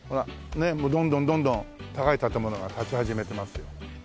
ねっどんどんどんどん高い建物が立ち始めてますよ。